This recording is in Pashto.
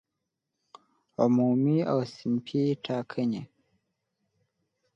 عمومي او صنفي ټاکنې